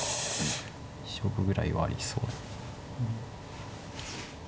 勝負ぐらいはありそう。